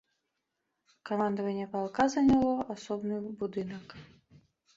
Камандаванне палка заняло асобны будынак.